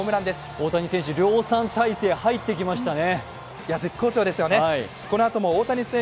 大谷選手、量産体制入ってきましたね。